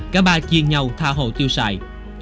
cả ba chiên nhau tha hồ tiêu xài